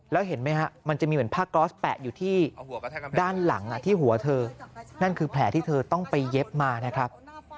แล้วเห็นไหมฮะมันจะมีเหมือนผ้าก๊อสแปะอยู่ที่ด้านหลังที่หัวเธอนั่นคือแผลที่เธอต้องไปเย็บมานะครับ